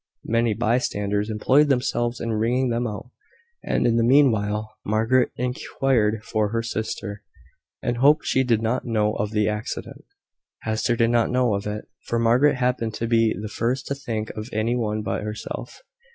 Many bystanders employed themselves in wringing them out; and in the meanwhile Margaret inquired for her sister, and hoped she did not know of the accident. Hester did not know of it, for Margaret happened to be the first to think of any one but herself.